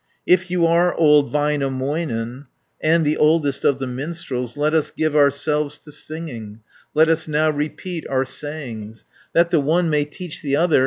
If you are old Väinämöinen, And the oldest of the minstrels, 130 Let us give ourselves to singing, Let us now repeat our sayings, That the one may teach the other.